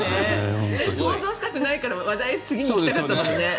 想像したくないから話題、次に行きたかったのにね。